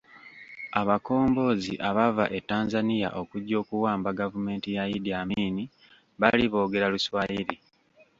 Abakombozi abaava e Tanzania okujja okuwamba gavumenti ya Iddi Amin baali boogera mu Luswayiri.